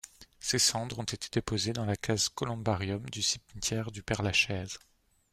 Ses cendres ont été déposées dans la case au columbarium du cimetière du Père-Lachaise.